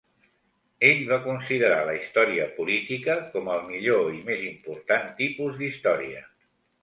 Ell va considerar la història política com al millor i més important tipus d'història.